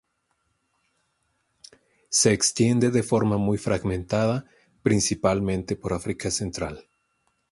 Se extiende de forma muy fragmentada principalmente por África Central.